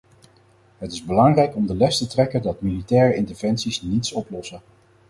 Het is belangrijk om de les te trekken dat militaire interventies niets oplossen.